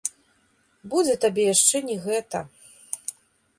Будзе табе яшчэ не гэта.